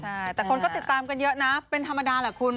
ใช่แต่คนก็ติดตามกันเยอะนะเป็นธรรมดาแหละคุณ